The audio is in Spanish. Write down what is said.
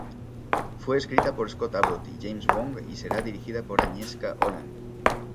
Fue escrita por Scott Abbott y James Wong y será dirigida por Agnieszka Holland.